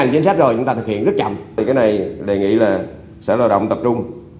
cái này đề nghị là sở lao động tập trung